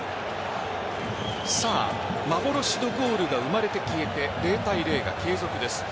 幻のゴールが生まれて消えて０対０が継続です。